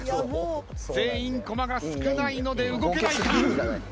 全員コマが少ないので動けないか。